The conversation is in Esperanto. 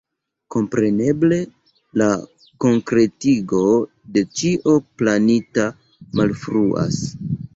Kompreneble la konkretigo de ĉio planita malfruas.